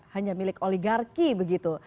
hanya milik oligarki begitu